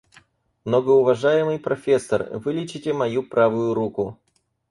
Многоуважаемый профессор, вылечите мою правую руку.